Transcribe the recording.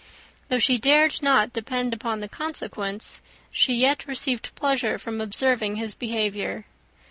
Though she dared not depend upon the consequence, she yet received pleasure from observing his behaviour.